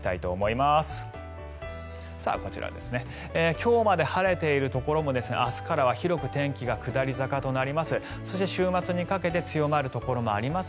今日まで晴れているところも明日からは広く天気が下り坂となります。